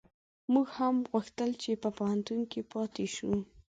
موږ هم غوښتل چي په پوهنتون کي پاته شو